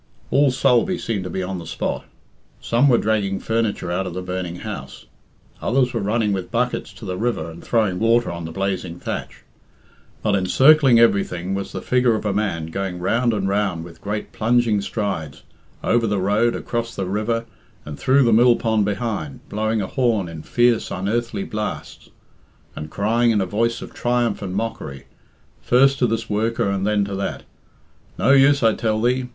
All Sulby seemed to be on the spot. Some were dragging furniture out of the burning house; others were running with buckets to the river and throwing water on the blazing thatch. But encircling everything was the figure of a man going round and round with great plunging strides, over the road, across the river, and through the mill pond behind, blowing a horn in fierce, unearthly blasts, and crying in a voice of triumph and mockery, first to this worker and then to that, "No use, I tell thee.